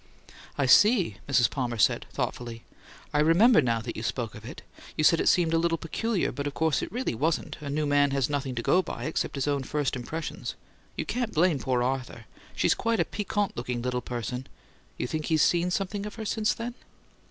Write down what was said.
"I see," Mrs. Palmer said, thoughtfully. "I remember now that you spoke of it. You said it seemed a little peculiar, but of course it really wasn't: a 'new man' has nothing to go by, except his own first impressions. You can't blame poor Arthur she's quite a piquant looking little person. You think he's seen something of her since then?"